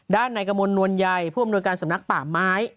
ด้านในกระมวลนวลใยผู้อำนวยการสำนักป่าไม้